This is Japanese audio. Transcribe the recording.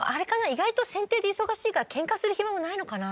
意外とせんていで忙しいからケンカする暇もないのかな？